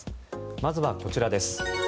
まずはこちらです。